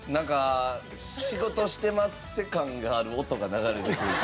仕事してまっせ感がある音が流れるというか。